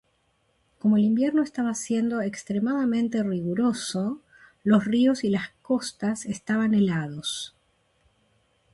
Como el invierno estaba siendo extremadamente riguroso, los ríos y las costas estaban helados.